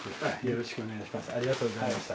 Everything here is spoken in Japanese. よろしくお願いします。